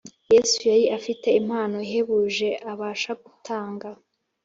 Yesu yari afite impano ihebuje abasha gutanga.